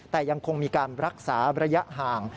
แต่ยังคงมีการรักษาระยะห่าง